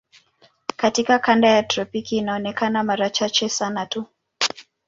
Katika kanda ya tropiki inaonekana mara chache sana tu.